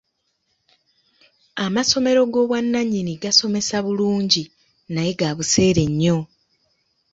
Amasomero g'obwannannyini gasomesa bulungi naye ga buseere nnyo.